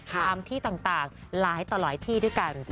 ตามที่ต่างหลายต่อหลายที่ด้วยกัน